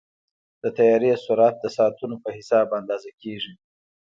د طیارې سرعت د ساعتونو په حساب اندازه کېږي.